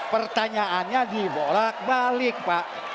pertanyaannya dibolak balik pak